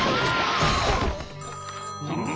☎うん？